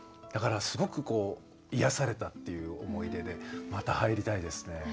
だからすごく癒やされたっていう思い出でまた入りたいですね。